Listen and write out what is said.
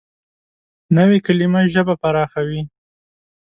نوې کلیمه ژبه پراخوي